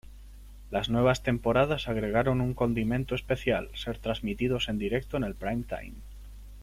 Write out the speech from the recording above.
Las nuevas temporadas agregaron un condimento especial: ser transmitidos en directo en el prime-time.